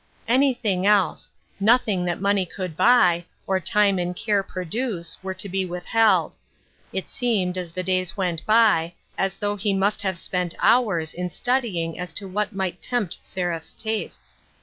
Anything else ; nothing that money could buy, or time and care produce, were to be withheld. It seemed, as the days went by, as though he must have spent hours in studying as to what might tempt Seraph's tastes.